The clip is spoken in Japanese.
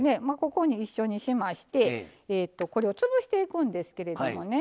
ここに一緒にしましてこれを潰していくんですけれどもね